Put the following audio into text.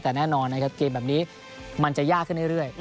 แต่แน่นอนนะครับเกมแบบนี้มันจะยากขึ้นเรื่อย